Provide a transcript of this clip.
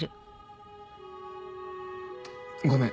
ごめん。